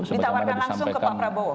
ditawarkan langsung ke pak prabowo